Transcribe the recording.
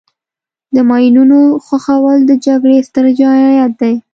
د ماینونو ښخول د جګړې ستر جنایت دی.